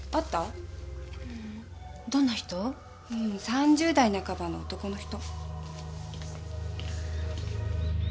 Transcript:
３０代半ばの男の人。